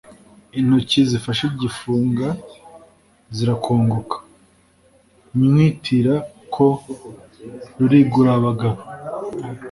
intoki zifashe igifunga zirakongoka, nywitira ko Rurigurabagabo